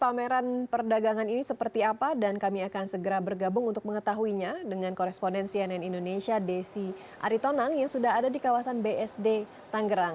pameran perdagangan ini seperti apa dan kami akan segera bergabung untuk mengetahuinya dengan koresponden cnn indonesia desi aritonang yang sudah ada di kawasan bsd tanggerang